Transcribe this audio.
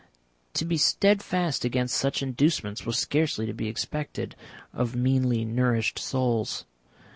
To be steadfast against such inducements was scarcely to be expected of meanly nourished souls.